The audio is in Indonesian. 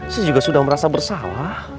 saya juga sudah merasa bersalah